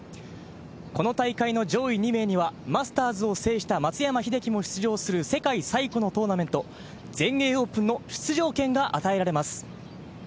この大会の上位２名には、マスターズを制した松山英樹も出場する世界最古のトーナメント、全英オープンの出場権が与えられます。